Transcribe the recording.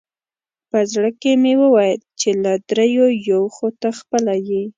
په زړه کې مې وویل چې له درېیو یو خو ته خپله یې.